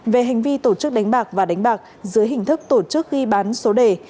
về hành vi tổ chức đánh bạc và đánh bạc dưới hình thức tổ chức ghi bán số đề